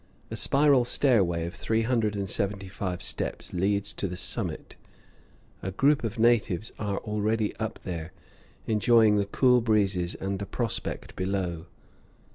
A spiral stairway of three hundred and seventy five steps leads to the summit. A group of natives are already up there, enjoying the cool breezes and the prospect below.